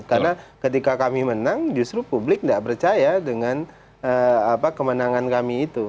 karena ketika kami menang justru publik tidak percaya dengan kemenangan kami itu